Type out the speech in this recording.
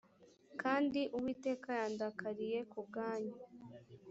kandi uwiteka yandakariye ku bwanyu